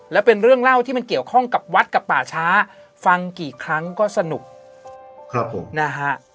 และเป็นเรื่องเล่าที่มันเกี่ยวข้องกับวัดกับป่าช้าฟังกี่ครั้งก็สนุกนะฮะ